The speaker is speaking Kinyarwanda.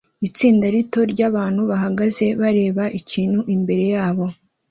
Itsinda rito ryabantu bahagaze bareba ikintu imbere yabo